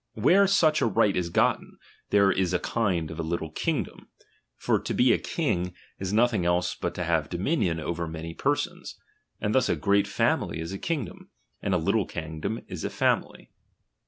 Wliere such a right is gotten, there is a kind of a little kingdom ; for to be a Jiing, is nothing else but to have dominion over many per sons ; and thus a great family is a kingdom, and a little kingdom a family.